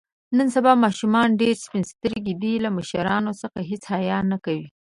نن سبا ماشومان ډېر سپین سترګي دي. له مشرانو څخه هېڅ حیا نه کوي.